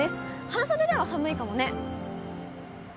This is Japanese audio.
半袖では寒いかもね。